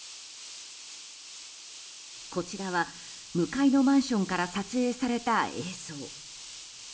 こちらは向かいのマンションから撮影された映像。